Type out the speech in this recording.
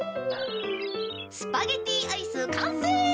スパゲティアイス完成！